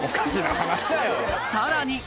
さらに！